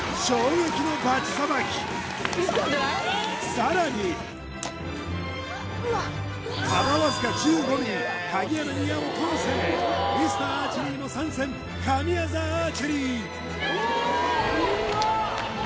さらに幅わずか１５ｍｍ鍵穴に矢を通せミスターアーチェリーも参戦神業アーチェリーうわっ！